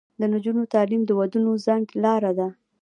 د نجونو تعلیم د ودونو ځنډ لاره ده.